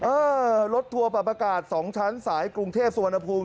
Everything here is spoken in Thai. เออรถทัวร์ปรากฏ๒ชั้นสายกรุงเทพฯสวนภูมิ